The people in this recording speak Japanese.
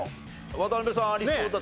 渡辺さんありそうだった。